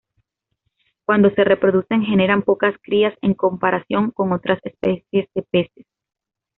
Cuando se reproducen, generan pocas crías en comparación con otras especies de peces.